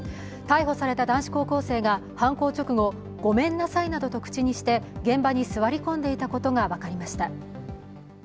逮捕された男子高校生が犯行直後、ごめんなさいなどと口にして現場に座り込んでいたことが分かりました。